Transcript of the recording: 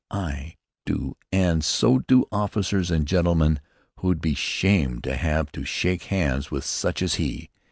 "I do, and so do officers and gentlemen who'd be shamed to have to shake hands with such as he.